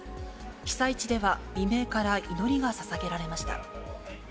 被災地では未明から祈りがささげられました。